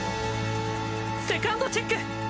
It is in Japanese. セカンドチェック！